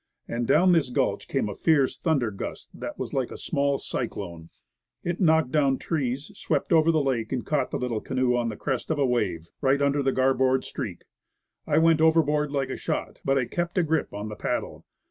And down this gulch came a fierce thunder gust that was like a small cyclone. It knocked down trees, swept over the lake, and caught the little canoe on the crest of a wave, right under the garboard streak. I went over board like a shot; but I kept my grip on the paddle.